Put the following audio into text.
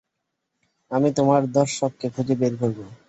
আমি তোমার ধর্ষককে খুঁজে বের করবো।